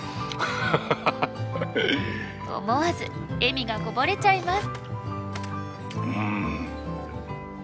思わず笑みがこぼれちゃいます。